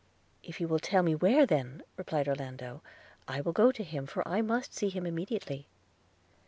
'If you will tell me where then,' replied Orlando, 'I will go to him, for I must see him immediately.'